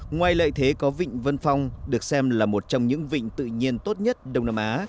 ngoài lợi thế có vịnh vân phong được xem là một trong những vịnh tự nhiên tốt nhất đông nam á